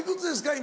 今。